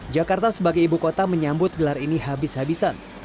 jakarta sebagai ibu kota menyambut gelar ini habis habisan